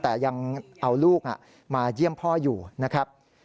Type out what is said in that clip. แต่ยังเอาลูกมาเยี่ยมพ่ออยู่นะครับ